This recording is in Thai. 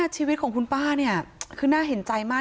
ชีวิตของคุณป้าเนี่ยคือน่าเห็นใจมาก